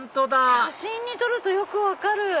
写真に撮るとよく分かる。